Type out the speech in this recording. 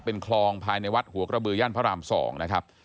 เป็นคลองภายในวัดหัวกระบือย่านพระราม๒นะครับ